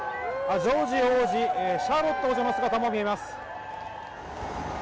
ジョージ王子、シャーロット王女の姿も見えます。